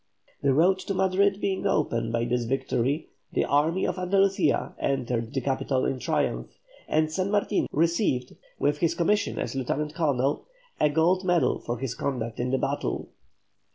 The road to Madrid being opened by this victory the army of Andalucia entered the capital in triumph, and San Martin received, with his commission as lieutenant colonel, a gold medal for his conduct in the battle.